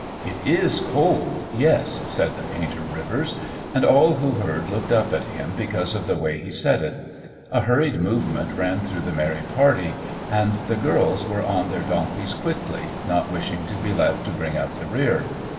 "It is cold, yes," said the painter, Rivers. And all who heard looked up at him because of the way he said it. A hurried movement ran through the merry party, and the girls were on their donkeys quickly, not wishing to be left to bring up the rear.